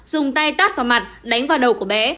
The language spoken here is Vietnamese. dùng tay tát vào mặt đánh vào đầu của bé